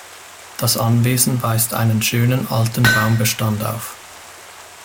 Das Anwesen weist einen schönen alten Baumbestand auf.